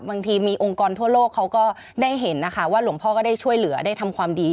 บางทีมีองค์กรทั่วโลกเขาก็ได้เห็นนะคะว่าหลวงพ่อก็ได้ช่วยเหลือได้ทำความดี